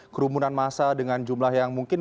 kerumunan massa dengan jumlah yang mungkin